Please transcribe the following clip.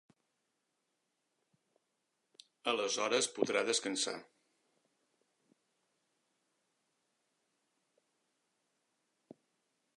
Aleshores podrà descansar.